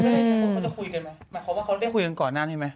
หมายความว่าเขาจะได้คุยกันก่อนหน้านี่ไหม